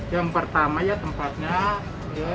yang pertama ya tempatnya ya